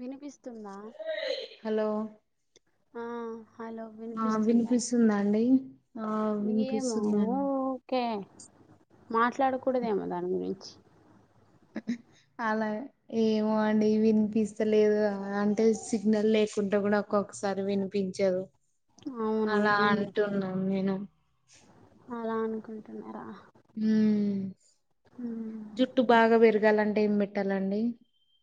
వినిపిస్తుందా హలో ఆ హలో ఆ వినిపిస్తుందా వినిపిస్తుందాండి ఆ వినిపిస్తుందండి ఓకే మాట్లాడకూడదేమో దాని గురించి ఆళ్ళ ఏమో అండి వినిపిస్తలేదు అంటే సిగ్నల్ లేకుండా కూడా ఒక్కొక్కసారి వినిపించదు అవునా అలా నేను అంటున్నాను నేను అలా అనుకుంటున్నారా హ్మ్ ఉమ్. జుట్టు బాగా పెరగాలంటే ఏం పెట్టాలండి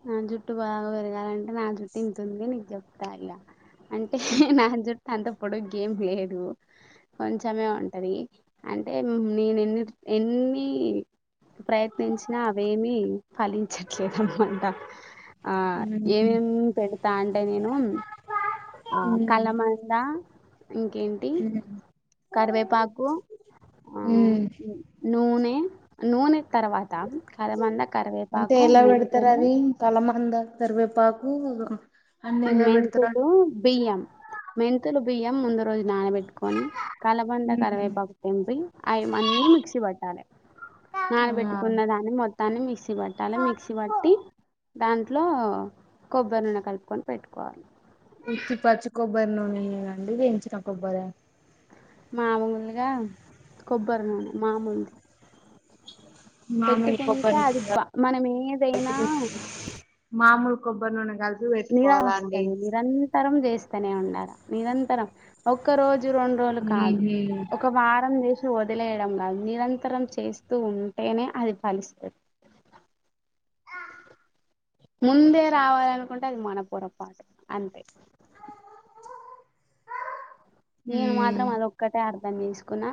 నా జుట్టు బాగా పెరగాలంటే నా జుట్టు ఇంత ఉంది నీకు చెప్తా ఇలా అంటే నా జుట్టు అంత పొడుగ్గేం లేదు కొంచెమే ఉంటది అంటే నేను ఎన్ని ఎన్ని ప్రయత్నించినా అవేమీ ఫలించట్లేదనమాట ఆ ఉమ్ ఏమేం పెడతా అంటే నేను ఆ ఉమ్ కలమ దా ఇంకేం టీ ఉమ్ కరివేపాకు ఆ ఉమ్. నూనె నూనె తర్వాత కలబంద కరివేపాకు మెంతులు కలమందా కరివేపాకు అన్నీ ఎలా మెంతులు పెడతరండి బియ్యం మెంతులు బియ్యం ముందు రోజు నానబెట్టు కొని కలబంద అండి కరివేపాకు తెంపి అవి అన్ని మిక్సీ పట్టాలి నాన బెట్టుకున్న ఉమ్ దాని మొత్ మొత్తాన్ని మిక్సీ పట్టాలి మిక్సీ పట్టి ఆ దాంట్లో కొబ్బరి నూనె కలుపుకొని పెట్టుకోవాలి ఉత్తి పచ్చి కొబ్బరి నూనె అండి వేయించిన కొబ్బరా మామూలుగా కొబ్బరినూనె మామూలుది మామూలు పెట్టుకుంటే కొబ్బరి నూనె అది కాదు బ మనం ఏదైనా మామూలు కొబ్బరి నూనె కలిపి వెట్టుకోవాల అండి రం చేస్తనే ఉండాల నిరంతరం ఒక రోజు రెండు రోజులు కాదు ఒక వారం చేసి వదిలేయడం కాదు నిరంతరం చేస్తూ ఉంటేనే అది ఫలిస్తది ఆ ముందే రావాలనుకుంటే అది మన పొరపాటు అంతే నేను మాత్రం అదోక్కటే అర్ధం చేసుకున్నా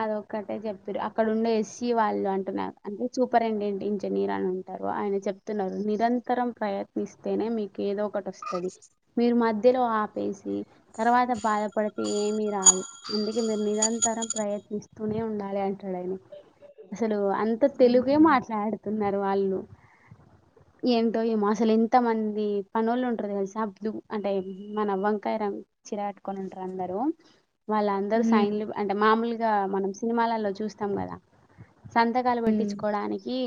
అద ఒక్కటే చెప్తుారు అక్కడ ఉండే ఎస్సీ వాళ్ళు అంటున్నారు అంటే సూపరింటెండెంట్ ఇంజనీరు అని అదే ఆయన చెప్తున్నారు నిరంతరం ప్రయత్నిస్త తేనే మీకు ఏదో ఒకటి వస్తది మీరు మధ్యలో ఆపేసి తర్వాత బాధ ఏమీ రాదు అందుకే మీరు నిరంతరం ప్రయత్నిస్తూనే ఉండాలి అంటాడు ఆయన అసలు అంత తెలుగే మాట్లాడుతున్నారు వాళ్ళు ఏమిటో ఈ మా అసలు ఇంత మంది పనోళ్ళు ఉంటరు తెలుసా పింక్ అంటే మన వంకాయ రంగు చీర కట్టుకొని ఉంటారు అందరూ వాళ్ళందరూ సైన్లు గా అంటే మామూలుగా మనం సినిమాలలో చూస్తాం కదా సంతకాలు పట్టించుకోవడానికి కీ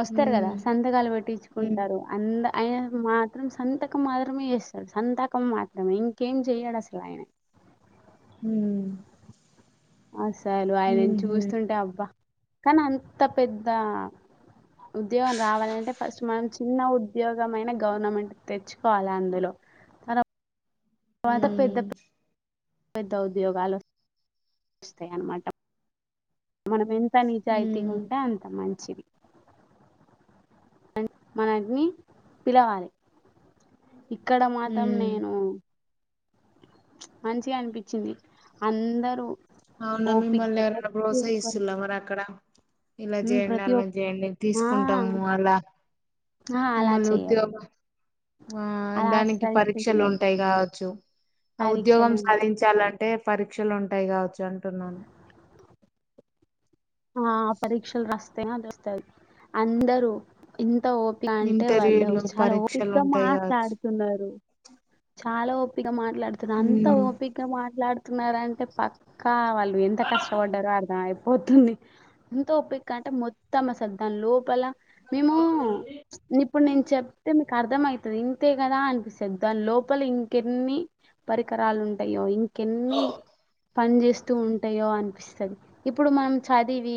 వస్తారు కదా సంతకాలు పెట్టించుకుంటారు అంద ఆయన మాత్రం సంతకం మాత్రమే చేస్తాడు సంతకం మాత్రమే ఇంకేం చేయడా అసలయిన ఊ అసలు ఆయన ఊహూ చూస్తుంటే అబ్బా కానీ అంత పెద్ద ఉద్యోగం రావాలంటే ఫస్ట్ మనం చిన్న ఉద్యోగం అయినా గవర్నమెంట్ తెచ్చుకోవాలి అందులో తవాత పెద్ద పెద్ద ఉద్యోగాలు వస్తాయి అన్నమాట మనం ఎంత నిజాయితీగా ఉంటే అంత అ మంచిది మనల్ని పిలవాలి ఇక్కడ మాత్రం నేను మంచిగా అనిపించింది అందరూ అవునా మిమ్మల్ని ఓపిగ్గా ఎవరనా ప్రతి ఒక్కరు ప్రోత్సాహిస్తున్నారా మరి అక్కడ ఇలా ఉమ్, చేయండి ప్రతి అల ఒక్క చేయండి ఆ, తీసుకుంటాము అలా ఆ, అలా మిమల్ని చేయరు ఉద్యోగం ఆ అలా దానికి అస్సలు పరీక్షలు చేయరు ఉంటాయి కావచ్చు ఆ పరీక్షలు ఉద్యోగం ఉంటాయి సాధించాలంటే అంటే పరీక్షలు ఉంటాయి కావచ్చు అంటున్నాను ఆ పరీక్షలు రాస్తేనే అది అస్తది అందరు ఇంత ఒ ఎట్లా అంటే వాళ్ళు ఇంటర్వ్యూలు చాలా పరీక్షలు ఓపిగా ఉంటాయి కావచ్చు మాట్లాడు తున్నారు చాలా ఓపిక మాట్లాడుతున్నారు అంత ఉమ్ ఓపి కా మాట్లాడుతున్నార అంటే పక్కా వాళ్ళు ఎంత కష్టపడ్డారో అర్థం అయిపోతుంది ఎంత ఓపిక అంటే మొత్తం అసల్ దాని లోపల మేము ఇప్పుడు నేను చెప్తే మీకు అర్థమైతది ఇంతే కదా అనిపిస్తది దాని లోపల ఇంకెన్ని పరికరాలు ఉంటాయో ఇంకా కెన్ని పని చేేస్తూ ఉంటాయో అనిపిస్తది ఇప్పుడు మనం చదీవి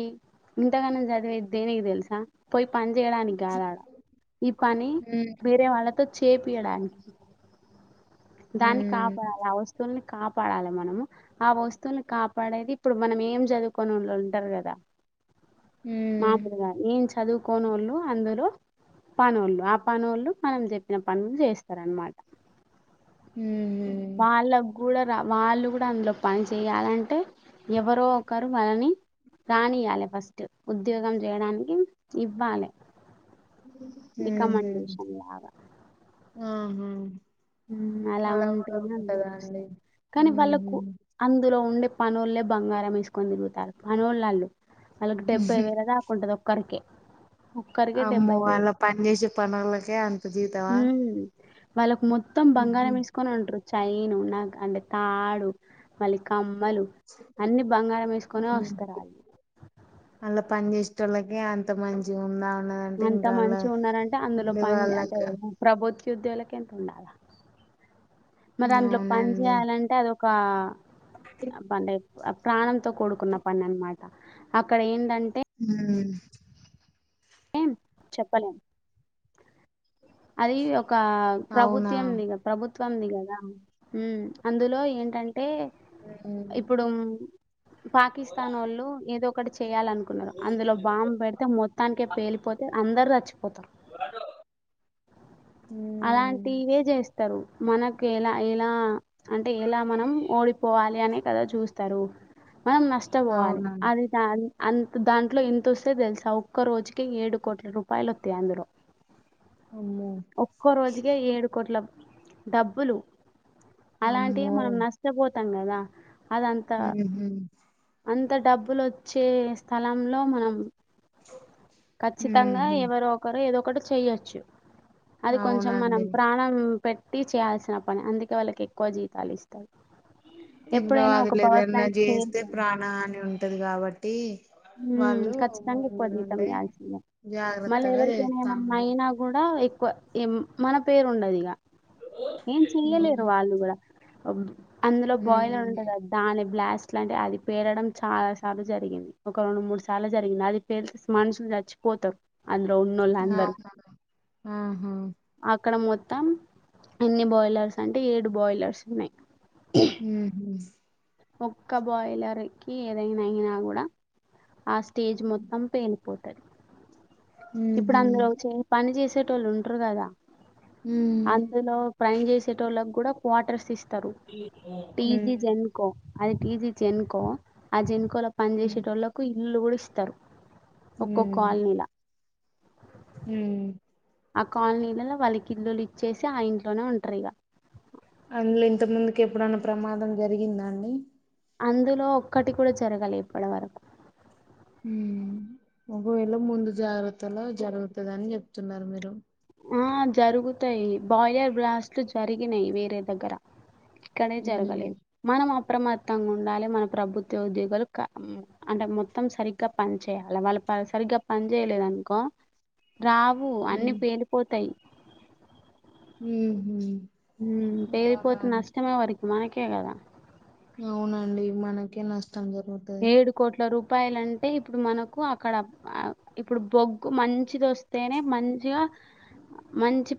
ఇంతగనం చదివేది దేనికి తెల్సా పోయి పని చేయడానికి కాదాడ ఈ పని ఉమ్ వేరే వాళ్ళతో చేపియడానికి దాన్ని ఉమ్ కాపాడాల ఆ వస్తువుల్ని కాపాడాలి మనము ఆ వస్తువుని కాపాడేది ఇప్పుడు మనం ఏం చదువుకోని వాళ్ళు ఉంటారు కదా మామూలుగా ఏన్ చదువుకోనోళ్లు అందరు పనోళ్లు ఆ పనోళ్లు మనం చెప్పిన పనులు చేస్తారనమాట ఉహు వాళ్ళకు కూడా రా వాళ్ళు కూడా అందులో పని చేయాలంటే ఎవరో ఒకరు మనని రానిలే ఫస్ట్ ఉద్యోగం చేయడానికి ఇవ్వాలె ఊహు రికమెండేషన్ లాగా. ఆహా ఊ అలా కూడా ఉంటయ్ ఉంటదా అండి అనిపిస్తది కానీ ఉహు. వాళ్ళకు అందులో ఉండే పనోళ్లే బంగారం వేసుకొని తిరుగుతారు పనోళ్ళు ఆళ్ళు వాళ్ళకు డెబ్బైవేల దాకుంటది ఒక్కరికే ఒక్కరికే అమ్మో అండ్ల పని చేేసె పనోలకే అంత జీతమా వాళ్ళకు మొత్తం ఉహు. బంగారం ఏసుకొని ఉంటారు చైను నగ్ అంటే తాడు మళ్ళీ కమ్మలు అన్ని బంగారం వేసుకొని వస్తారు ఆళ్ళు అండ్ల పని చేసేటోళ్ళకి అంత మంచిగా ఉందా అన్న అంత మంచి ఉన్నారంటే అందులో పని చే అంటే వాళ్ళకి ప్రభుత్వ ఉద్యోగులకు ఎంత ఉండాల మరి అందులో పని అవునండి చేయాలంటే అదొక పండే ఆ ప్రాణంతో కూడుకున్న పని అనమాట అక్కడ ఏంటంటే ఊ ఏం చెప్పలేం అది ఒక అవునా ప్రభుత్వంది కదా ప్రభుత్వంది కదా అందులో ఏంటంటే ఉ ఇప్పుడు పాకిస్తాన్ వోళ్ళు ఏదో ఒక్కటి చేయాలనుకున్నారు అందులో బాంబు పెడితే మొత్తానికే పేలిపోతే అందరు చచ్చిపోతారు అలాంటివే చేస్తారు మనకి ఎలా ఎలా అంటే ఎలా మనం ఓడిపోవాలి అనే కదా చూస్తారు మనం నష్టపోవాలి అవునా అది అన్ అంత దాంట్లో ఇంతొస్తే తెలుసా ఒక్క రోజుకే ఏడు కోట్ల రూపాయలు వత్తాయి అందులో అమ్మో ఒక్కో రోజుకే ఏడు కోట్ల డబ్బులు అలాంటివే అమ్మో మనం నష్ టపోతాం కదా అదంతా ఉహు అంత డబ్బులు వచ్చే స్థలంలో మనం ఖచ్చితంగా ఉహు ఎవరో ఒకరు ఏదో ఒకటి చెయ్యొచ్చు అది కొంచెం మనం అవునండి ప్రాణం పెట్టి చేయాల్సిన పని అందుకే వాళ్ళకి ఎక్కువ జీతాలు ఇస్తారు ఎప్పుడైనా ఒక తీమ్రవాదులు పవర్ ఏదన్నా ప్లాంట్ చేస్తే చేరిపోయింది ప్రాణ హాని ఉంటది కాబట్టి వాళ్ళు ఖచ్చితంగా ఎక్కువ ముందు జీతం నుండే ఇయాల్సిందే మళ్ళీ జాగ్రత్తగా ఎవరికైనా చేస్తా ఏమన్నా ఉంటరు అయినా కూడా ఎక్కువ ఏ మన పేరు ఉండదు ఇగ ఏం ఉమ్ చెయ్యలేరు వాళ్ళు కూడా అందులో బాయిల్ ఉండద ఉమ్, అది దాని బ్లాస్ట్ లాంటే అది పేరడం చాలా సార్లు జరిగింది ఒక మూడు సార్లు జరిగింది అది పేల్ మనుషులు చచ్చిపోతారు అందులో ఉన్నోలందరు అవునా ఆహా అక్కడ మొత్తం ఎన్ని బాయిలర్స్ అంటే ఏడు బాయిలర్స్ ఉన్నాయి ఊ హూ ఒక్క బాయిలర్ కి ఏదైనా అయినా కూడా ఆ స్టేజ్ మొత్తం పేల్ పోతాయి ఇప్పుడు ఉహు అందులోచ్చి పని చేసేటోళ్ళు ఉంటారు కదా ఉమ్ అందులో పని చేసేటోళ్ళకి కూడా క్వార్టర్స్ ఇస్తారు ఉమ్ టీజీ జన్ కో అది టీజీ జనుకో ఆ జనుకోలో పని ఉమ్ చేసేటోళ్ళకు ఇల్లులు కూడా ఇస్తారు ఊ ఊ ఆ కాలనీలలో వాళ్ళకి ఇల్లులు ఇచ్చేసి ఆ ఇంట్లోనే ఉంటారు ఇగ అందులో ఇంతకముందుకి ఎప్పుడైన్నా ప్రమాదం జరిగిందండి అందులో ఒక్కటి కూడా జరగలేదు ఇప్పటి వరకు ఊ ఒకవేళ ముందు జాగ్రత్తలో జరుగుతది అని చెప్తున్నారు మీరు ఆ జరుగుతాయి బాయిలర్ బ్లాస్ట్లు జరిగినాయి వేరే దగ్గర ఇక్కడే ఉమ్ జరగలే మనం అప్రమత్తంగా ఉండాలి మన ప్రభుత్వ ఉద్యోగలు క ఉ అంటే మొత్తం సరిగ్గా పని చేయాలి వాళ్ళు ప సరిగ్గా పని చేయలేదునుకో రా ఉ అన్ని పేలిపోతాయి ఉహు ఊ అలానా పెలిపోతే నష్టం ఎవరికి మనకే కదా అవునండి మనకే నష్టం జరుగుతుంది ఏడు కోట్ల రూపాయలు అంటే ఇప్పుడు మనకు అక్కడ ఆవ్ ఇప్పుడు బొగ్గు మంచిది వొస్తేనే మంచిగా మంచి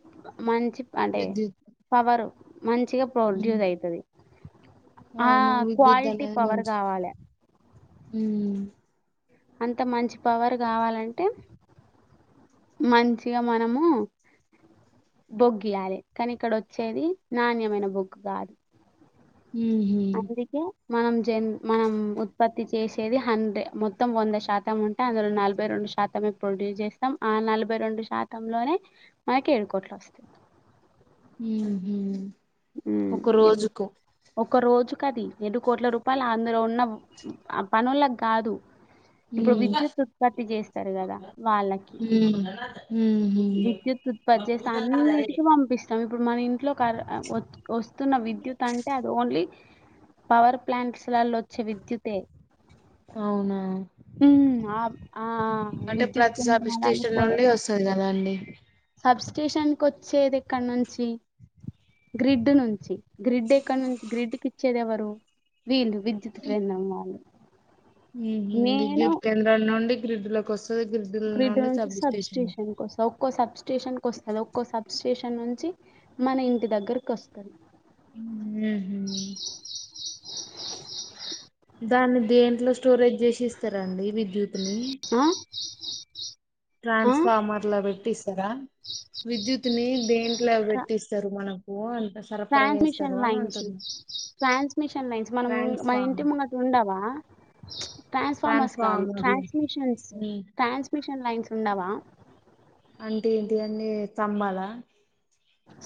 మంచి అంటే విద్యుత్ పవరు మంచిగా ఉమ్ ప్రొడ్యూస్ అయితది ఆ అవును విద్యుత్ క్వాలిటీ పవర్ కావాలే ఊ అంత మంచి పవర్ కావాలంటే మంచిగా మనము బొగ్గు ఇయ్యాలే కానీ ఇక్కడ వచ్చేది నాణ్యమైన బొగ్గు కాదు ఉహు ఇప్పుడు మనం జన్ మనం ఉత్పత్తి చేసేది హండే మొత్తం వంద శాతం ఉన్ అందులో నలభై రెండు శాతమే ప్రొడ్యూస్ చేస్తాం ఆ నలభై రెండు శాతంలోనే మనకి ఏడు కోట్లు వస్తాయి ఉహు ఒక ఊ రోజుకు ఒక రోజు కది ఏడు కోట్ల రూపాయలు అందులో ఉన్న ఆ పనులకి కాదు ఇప్పుడు ఉమ్ విద్యుత్ ఉత్పత్తి చేస్తారు కదా వాళ్ళకి ఉమ్ ఉహు విద్యుత్ వారు చేస్తా అన్నిటికి పంపిస్తాం ఇప్పుడు మన ఇంట్లో క వత్ వస్తున్న విద్యుత్ అంటే అది ఓన్లీ పవర్ ప్లాంట్స్ లలో వచ్చే విద్యుతే అవునా హ్మ్. ఆ ఆ విద్యుత్ కేంద్రాలలో మళ్ళీ వస్తది కదండి సబ్స్టేషన్ కి వచ్చేది ఇక్కడి నుంచి గ్రిడ్ నుంచి గ్రిడ్ ఎక్కడ నుంచి గ్రిడ్కి ఇచ్చేది ఎవరు వీళ్ళు విద్యుత్ క్రిందం వాళ్ళు ఉహు నేను విద్యుత్ కేంద్రాల నుండి గ్రిడ్లలకు వస్తది గ్రిడ్డులు నుండి సబ్ స్టేషన్ ఒక్కో సబ్ స్టేషన్ కి వస్తది ఒక్కో సబ్ స్టేషన్ నుంచి మన ఇంటి దగ్గరకి వస్తది ఉహు దాన్ని దేంట్లో స్టోరేజ్ చేసి ఇస్తారు అండి విద్యుత్ ని ఆ ఆ ట్రాన్స్ఫార్మర్ లో పెట్టిస్తారా విద్యుత్ ని దేంట్లో క పెట్టిస్తారు మనకు అంటస్ ట్రాన్స్మిషన్ లైన్స్ ట్రాన్స్మిషన్ లైన్స్ మనం మన ఇంటి ట్రాన్స్ఫార్మర్ ముంగ ఉండవా ట్రాన్స్ఫార్మర్స్ కాదు ట్రాన్స్ఫార్మర్లు ట్రాన్స్మిషన్స్ ఉమ్ ట్రాన్స్ మిషిన్ లైన్స్ ఉన్నవా అంటే ఏంటిదండి తంబాలా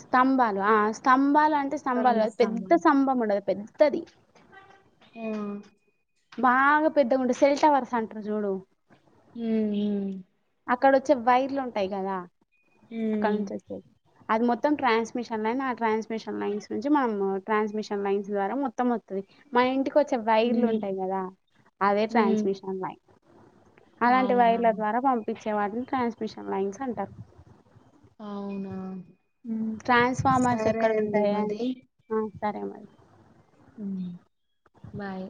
స్తంభాలు ఆ స్తంభాలు అంటే కరెంట్ స్తంభాలు పెద్ద స్తంభాలు స్తంభం ఉండదు పెద్దది ఉ బాగా పెద్దగా ఉంటది చూడు సెల్ టవర్స్ అంటారు చూడు ఉ ఉ అక్కడ వచ్చే వైర్లు ఉంటాయి కదా అక్కడ ఉమ్ నుంచి వచ్చేది అది మొత్తం ట్రాన్స్మిషన్ లైన్ ఆ ట్రాన్స్మిషన్ లైన్స్ నుంచి మనం ట్రాన్స్మిషన్ లైన్స్ ద్వారా మొత్తం మా ఇంటికి వచ్చే ఉమ్ వైర్లు ఉంటాయి ఉమ్ కదా అదే ఉమ్ ట్రాన్స్మిషన్ లైన్ అలాంటి అవునా వైర్ల ద్వారా పంపించే వాటిని ట్రాన్స్మిషన్ లైన్స్ అంటారు అవునా ట్రాన్స్ఫార్మర్స్ సరే ఎక్కడ అండి ఉంటాయా మరి ఉ సరే మేడం ఉ బాయ్